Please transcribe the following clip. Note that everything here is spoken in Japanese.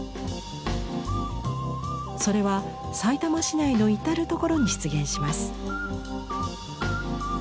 それはさいたま市内の至る所に出現します。